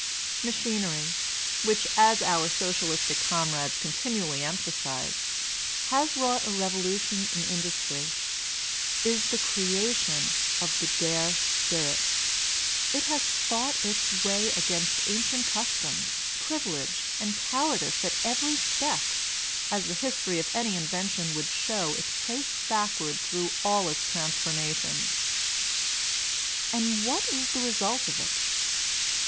Machinery, which as our Socialistic com rades continually emphasize, has wrought a revolutioa in Industry, is the creation of the Dare Spirit; it has fought its way against ancient customs, privilq;e, and cowardice at every step, as the history of any invention would show if traced backward through all its trans formations. And what is the result of it